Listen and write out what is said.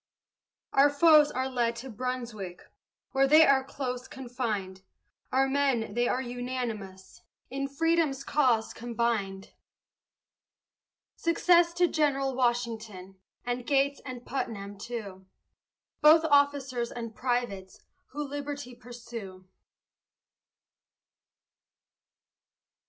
Our foes are fled to Brunswick, Where they are close confined; Our men they are unanimous, In Freedom's cause combined. Success to General Washington, And Gates and Putnam, too, Both officers and privates, Who liberty pursue.